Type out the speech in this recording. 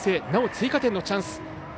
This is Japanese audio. なお追加点のチャンス。